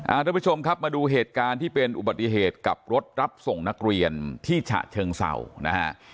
ทุกผู้ชมครับมาดูเหตุการณ์ที่เป็นอุบัติเหตุกับรถรับส่งนักเรียนที่ฉะเชิงเศร้านะฮะ